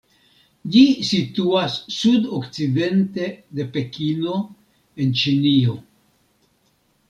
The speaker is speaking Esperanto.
Ĝi situas sud-okcidente de Pekino en Ĉinio.